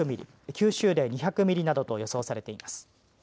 九州で２００ミリなどと予想されています。